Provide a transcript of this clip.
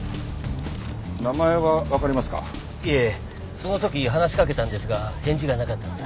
その時話しかけたんですが返事がなかったので。